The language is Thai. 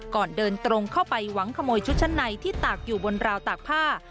ก่อนเดินตรงเข้าไปหวังขโมยชุดชั้นในที่ตากอยู่บนราวตากผ้า